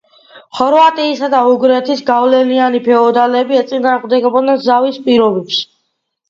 ხორვატიისა და უნგრეთის გავლენიანი ფეოდალები ეწინააღმდეგებოდნენ ზავის პირობებს.